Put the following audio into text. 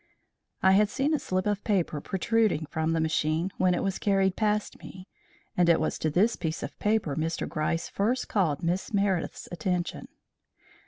I had seen a slip of paper protruding from the machine when it was carried past me, and it was to this piece of paper Mr. Gryce first called Miss Meredith's attention.